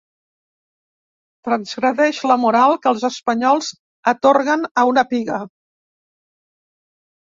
Transgredeix la moral que els espanyols atorguen a una piga.